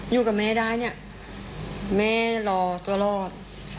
อยู่กับแม่ได้เนี่ยแม่รอตัวรอด